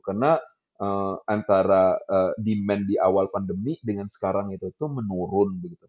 karena antara demand di awal pandemi dengan sekarang itu menurun gitu